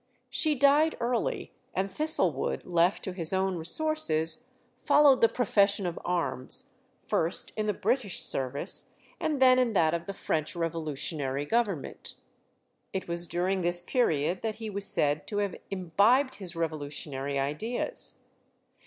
She died early, and Thistlewood, left to his own resources, followed the profession of arms, first in the British service, and then in that of the French revolutionary Government. It was during this period that he was said to have imbibed his revolutionary ideas.